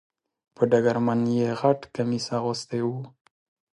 په ډګرمن یې غټ کمیس اغوستی و .